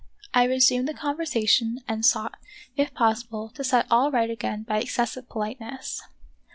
I resumed the conversation and sought, if possible, to set all right again by excessive politeness.